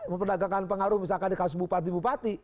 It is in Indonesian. memperdagangkan pengaruh misalkan di kasus bupati bupati